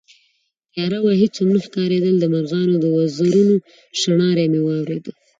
تياره وه، هېڅ هم نه ښکارېدل، د مرغانو د وزرونو شڼهاری مې واورېد